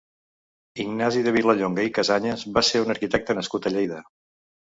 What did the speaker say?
Ignasi de Villalonga i Casañes va ser un arquitecte nascut a Lleida.